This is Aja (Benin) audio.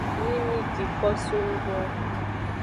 Nyi mi ji ko so nggbo.